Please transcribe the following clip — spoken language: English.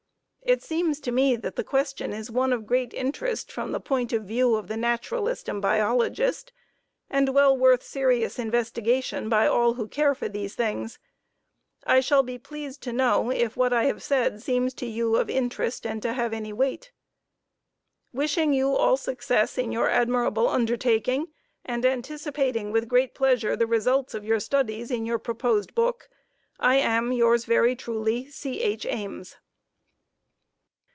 It seems to me that the question is one of great interest from the point of view of the naturalist and biologist, and well worth serious investigation by all who care for these things. I shall be pleased to know if what I have said seems to you of interest and to have any weight. Wishing you all success in your admirable undertaking, and anticipating with great pleasure the results of your studies in your proposed book, I am, Yours very truly, C. H. Ames.